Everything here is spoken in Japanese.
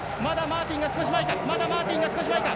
まだマーティンが少し前か。